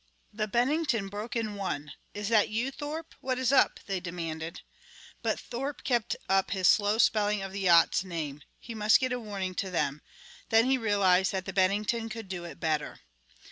The Bennington broke in one. "Is that you, Thorpe? What is up?" they demanded. But Thorpe kept up his slow spelling of the yacht's name. He must get a warning to them! Then he realized that the Bennington could do it better.